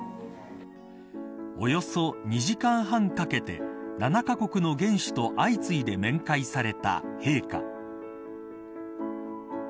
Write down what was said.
およそ２時間半かけて７カ国の元首と相次いで面会された陛下。